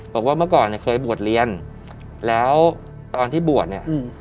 บอกว่าเมื่อก่อนเนี่ยเคยบวชเรียนแล้วตอนที่บวชเนี่ย